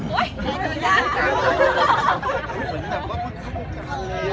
แม่กับผู้วิทยาลัย